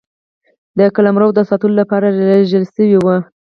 د قلمرو د ساتلو لپاره لېږل سوي وه.